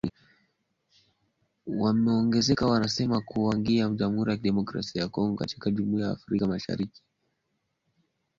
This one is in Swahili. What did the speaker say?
Wameongeza kusema kuwa kuingia kwa Jamhuri ya Kidemokrasia ya Kongo katika Jumuia ya Afrika Mashariki kutapanua biashara na ushirikiano wa kieneo